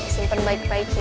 simpen baik baik ya